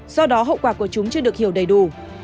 do đó hậu quả của chúng chưa được hiểu đầy đủ